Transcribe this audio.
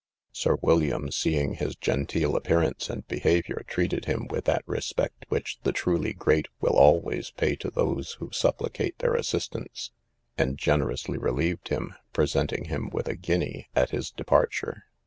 Sir William, seeing his genteel appearance and behaviour, treated him with that respect which the truly great will always pay to those who supplicate their assistance, and generously relieved him, presenting him with a guinea at his departure.